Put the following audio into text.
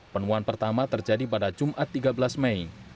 penemuan pertama terjadi pada jumat tiga belas mei